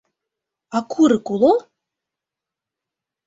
— А курык уло?